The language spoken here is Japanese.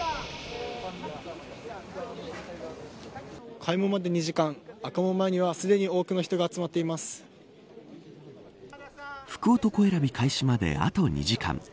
開門まで２時間赤門前にはすでに多くの人が福男選び開始まであと２時間。